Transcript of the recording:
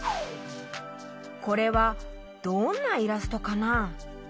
これはどんなイラストかな？